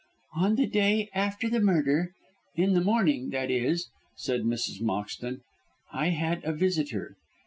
"On the day after the murder in the morning, that is," said Mrs. Moxton, "I had a visitor.